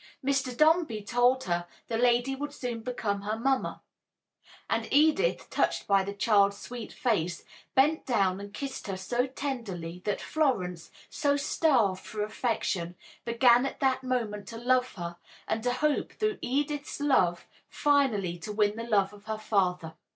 Mr. Dombey told her the lady would soon be her mama, and Edith, touched by the child's sweet face, bent down and kissed her so tenderly that Florence, so starved for affection, began at that moment to love her, and to hope through Edith's love finally to win the love of her father.